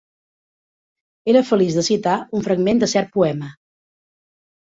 Era feliç de citar un fragment de cert poema.